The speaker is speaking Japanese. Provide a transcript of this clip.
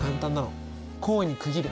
項に区切る。